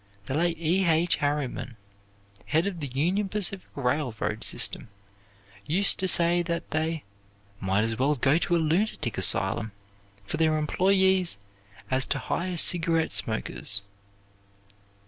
The late E. H. Harriman, head of the Union Pacific Railroad system, used to say that they "might as well go to a lunatic asylum for their employees as to hire cigarette smokers."